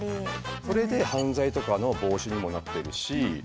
それで犯罪とかの防止にもなってるし。